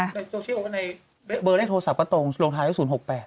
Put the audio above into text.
โซเชียลในเบอร์เลขโทรศัพท์ก็ตรงลงท้ายเลข๐๖๘